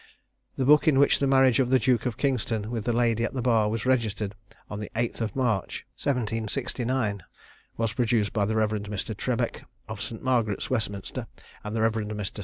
The book in which the marriage of the Duke of Kingston with the lady at the bar was registered on the 8th of March, 1769, was produced by the Rev. Mr. Trebeck, of St. Margaret's, Westminster; and the Rev. Mr.